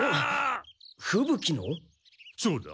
そうだ！